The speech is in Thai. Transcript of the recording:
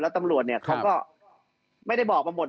แล้วตำรวจเขาก็ไม่ได้บอกมาหมด